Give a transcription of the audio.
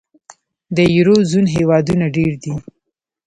د یورو زون هېوادونه ډېر دي.